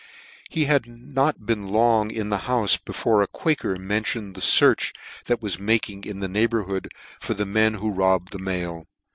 He had not been long in the houfe before a quaker mentioned the fearch that was making in the neighbourhood, for the men who robbed the mail.